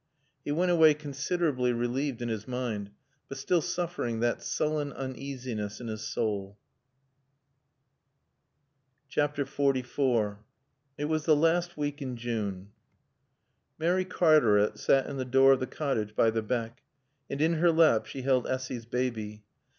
He went away considerably relieved in his mind, but still suffering that sullen uneasiness in his soul. XLIV It was the last week in June. Mary Cartaret sat in the door of the cottage by the beck. And in her lap she held Essy's baby.